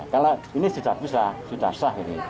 kalau ini sudah bisa sudah sah ini